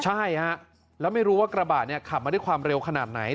ใช่ฮะแล้วไม่รู้ว่ากระบะเนี่ยขับมาด้วยความเร็วขนาดไหน